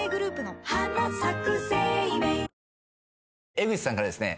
江口さんからですね